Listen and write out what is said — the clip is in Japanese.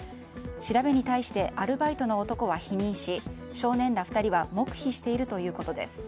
調べに対してアルバイトの男は否認し少年ら２人は黙秘しているということです。